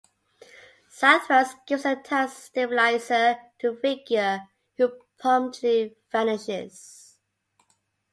Zathras gives a time stabilizer to the figure, who promptly vanishes.